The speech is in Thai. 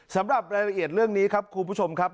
สำหรับรายละเอียดเรื่องนี้ครับคุณผู้ชมครับ